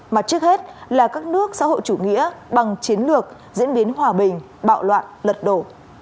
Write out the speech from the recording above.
mà trước hết là các nước xã hội chủ nghĩa bằng chiến lược diễn biến hòa bình bạo loạn lật đổ